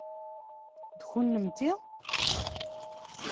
D kunemti?